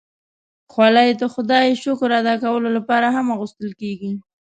خولۍ د خدای شکر ادا کولو لپاره هم اغوستل کېږي.